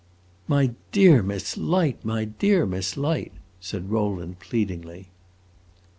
"My dear Miss Light, my dear Miss Light!" said Rowland, pleadingly.